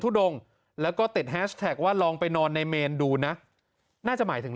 ทุ่ดงแล้วก็ติดว่าลองไปนอนในเมนดูน่ะน่าจะหมายถึง